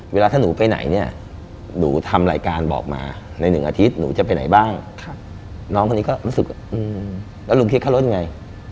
เวลาถ้าหนูไปไหนเนี่ยหนูทำรายการบอกมาใน๑อาทิตย์หนูจะไปไหนบ้างน้องคนนี้ก็รู้สึกว่าแล้วลุงคิดค่ารถยังไง